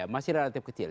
masih relatif kecil